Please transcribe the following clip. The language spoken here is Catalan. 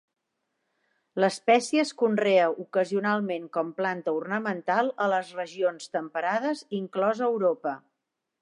L'espècie es conrea ocasionalment com planta ornamental a les regions temperades, inclosa Europa.